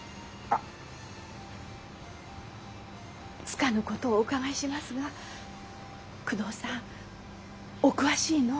つかぬことをお伺いしますが久遠さんお詳しいの？